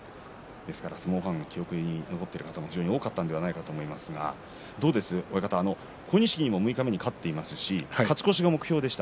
相撲ファンの記憶に残っている方も多かったと思いますが小錦にも六日目に勝っていますし勝ち越しが目標でした。